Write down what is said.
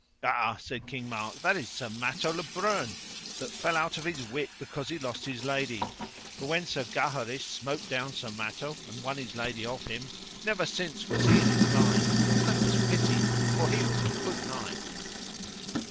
Ah, said King Mark, that is Sir Matto le Breune, that fell out of his wit because he lost his lady; for when Sir Gaheris smote down Sir Matto and won his lady of him, never since was he in his mind, and that was pity, for he was a good knight.